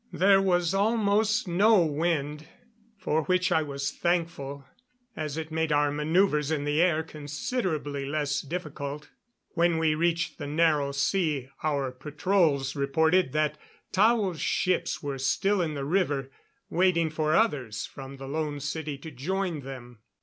There was almost no wind, for which I was thankful, as it made our maneuvers in the air considerably less difficult. When we reached the Narrow Sea our patrols reported that Tao's ships were still in the river, waiting for others from the Lone City to join them.